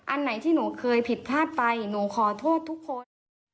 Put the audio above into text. อันไหนที่หนูเคยผิดพลาดไปหนูขอโทษทุกคน